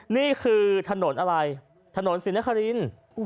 นี่คือถนนอะไรถนนสินคาริน